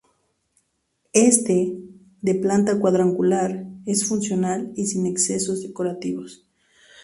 Éste, de planta cuadrangular, es funcional y sin excesos decorativos.